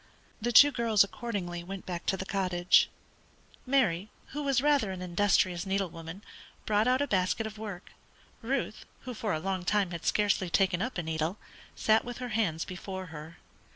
The two girls accordingly went back to the cottage. Mary, who was rather an industrious needlewoman, brought out a basket of work. Ruth, who for a long time had scarcely taken up a needle, sat with her hands before her.